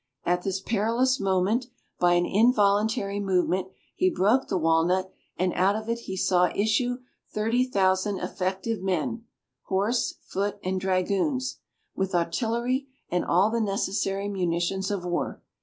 At this perilous moment, by an involuntary movement, he broke the walnut, and out of it he saw issue thirty thousand effective men, horse, foot, and dragoons, with artillery and all the necessary munitions of war.